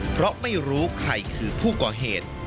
เพราะไม่รู้ใครคือผู้ก่อเหตุ